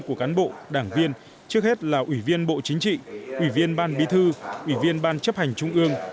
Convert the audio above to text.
của cán bộ đảng viên trước hết là ủy viên bộ chính trị ủy viên ban bí thư ủy viên ban chấp hành trung ương